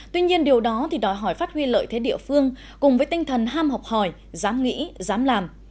tuy nhiên điều đó thì đòi hỏi phát huy lợi thế địa phương cùng với tinh thần ham học hỏi dám nghĩ dám làm